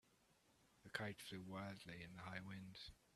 The kite flew wildly in the high wind.